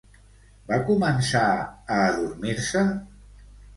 Va començar a adormir-se?